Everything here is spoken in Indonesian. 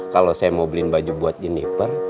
kalo saya mau beliin baju buat juniper